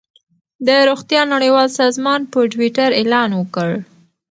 د روغتیا نړیوال سازمان په ټویټر اعلان وکړ.